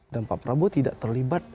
dan pak prabowo tidak terlibat